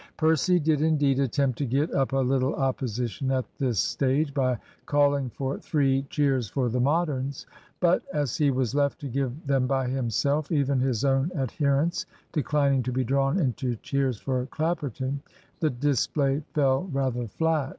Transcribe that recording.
Percy did, indeed, attempt to get up a little opposition at this stage by calling for "three cheers for the Moderns"; but as he was left to give them by himself even his own adherents declining to be drawn into cheers for Clapperton the display fell rather flat.